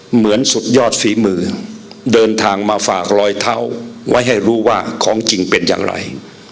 เหมือนสุดยอดฝีมือเดินทางมาฝากรอยเท้าไว้ให้รู้ว่าของจริงเป็นอย่างไร